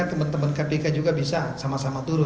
teman teman kpk juga bisa sama sama turun